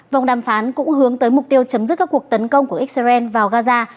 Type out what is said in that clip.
vòng đàm phán cũng hướng tới mục tiêu chấm dứt các cuộc tấn công của israel vào gaza